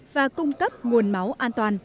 và cung cấp nguồn máu an toàn